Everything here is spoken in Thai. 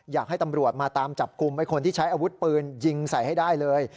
อยากให้ตำรวจมาตามจับกลุ่มไอ้คนที่ใช้อาวุธปืนยิงใส่ให้ได้เลย